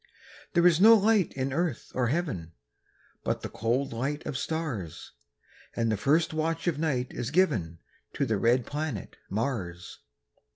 There is no light in earth or heaven, But the cold light of stars; And the first watch of night is given To the red planet Mars.